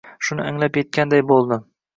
Shuni anglab yetganday bo‘ldi.